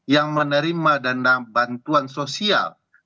yang menerima dana bantuan sosial